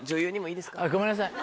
ごめんなさい。